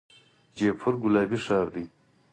جیپور ګلابي ښار دی.